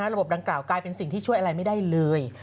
ระบบดังกล่าวกลายเป็นสิ่งที่ช่วยอะไรไม่ได้เลย